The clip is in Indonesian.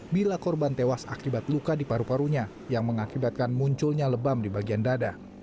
bila korban tewas akibat luka di paru parunya yang mengakibatkan munculnya lebam di bagian dada